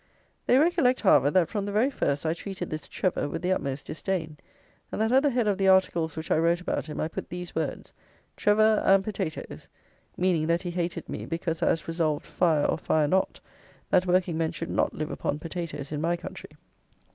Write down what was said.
They recollect, however, that from the very first I treated this TREVOR with the utmost disdain; and that at the head of the articles which I wrote about him I put these words, "TREVOR AND POTATOES;" meaning that he hated me because I was resolved, fire or fire not, that working men should not live upon potatoes in my country.